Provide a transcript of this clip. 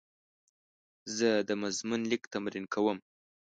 زه د مضمون لیک تمرین کوم.